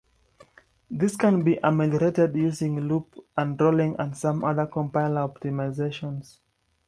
This can be ameliorated using loop unrolling and some other compiler optimizations.